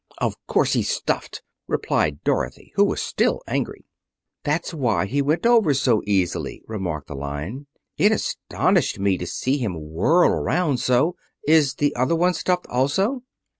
"Of course he's stuffed," replied Dorothy, who was still angry. "That's why he went over so easily," remarked the Lion. "It astonished me to see him whirl around so. Is the other one stuffed also?"